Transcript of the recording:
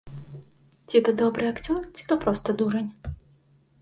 Ці то добры акцёр, ці то проста дурань.